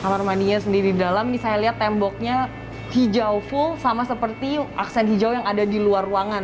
kamar mandinya sendiri dalam ini saya lihat temboknya hijau full sama seperti aksen hijau yang ada di luar ruangan